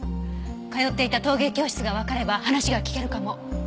通っていた陶芸教室がわかれば話が聞けるかも。